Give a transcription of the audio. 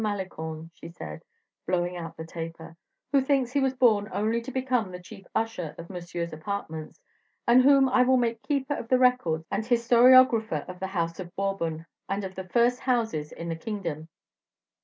Malicorne," she said, blowing out the taper, "who thinks he was born only to become the chief usher of Monsieur's apartments, and whom I will make keeper of the records and historiographer of the house of Bourbon, and of the first houses in the kingdom.